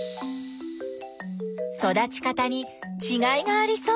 育ち方にちがいがありそう。